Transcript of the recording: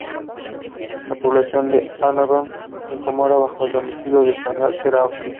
La población de Annobón, incómoda bajo el dominio español era hostil.